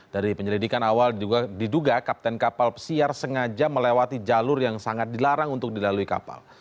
dari penyelidikan awal diduga kapten kapal pesiar sengaja melewati jalur yang sangat dilarang untuk dilalui kapal